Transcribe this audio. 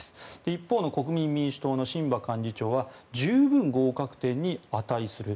一方の国民民主党の榛葉幹事長は十分合格点に値する。